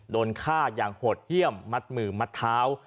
โดนฆ่าอย่างโหดเยี่ยมมัดมือมัดเท้า